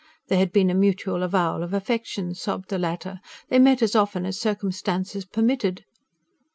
There had been a mutual avowal of affection, sobbed the latter; they met as often as circumstances permitted.